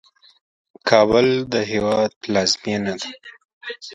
کابل د هیواد پلازمېنه ده.